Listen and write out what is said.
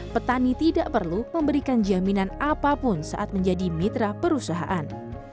petani tidak perlu memberikan jaminan apapun saat menjadi mitra perusahaan